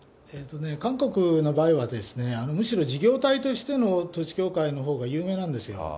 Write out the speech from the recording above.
韓国の場合は、むしろ事業体としての統一教会のほうが有名なんですよ。